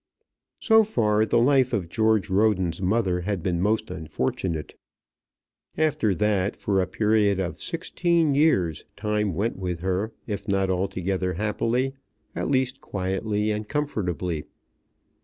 So far the life of George Roden's mother had been most unfortunate. After that, for a period of sixteen years time went with her, if not altogether happily, at least quietly and comfortably.